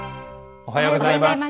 おはようございます。